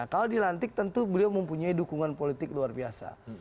kalau dilantik tentu beliau mempunyai dukungan politik luar biasa